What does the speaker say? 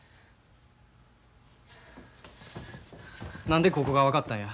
何でここが分かったんや。